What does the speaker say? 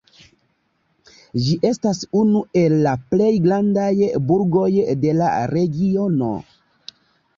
Ĝi estas unu el la plej grandaj burgoj de la regiono.